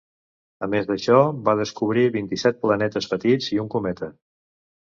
A més d"això, va descobrir vint-i-set planetes petits i un cometa.